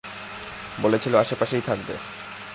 বলেছিলো আশেপাশেই থাকবে।